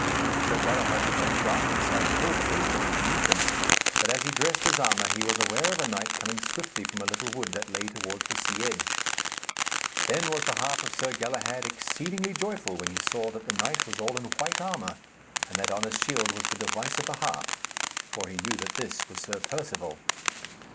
Sir Galahad began to arm himself full hastily to meet them. But as he dressed his armour he was aware of a knight coming swiftly from a little wood that lay towards the sea edge. Then was the heart of Sir Galahad exceeding joyful when he saw that the knight was all in white armour, and that on his shield was the device of a heart; for he knew that this was Sir Perceval.